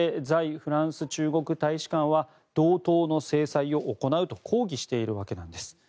フランス中国大使館は同等の制裁を行うと抗議しているわけなんです。